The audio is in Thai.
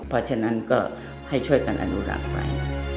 เพราะฉะนั้นก็ให้ช่วยกันอนุรักษ์ไว้